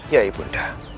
ya ibu nanda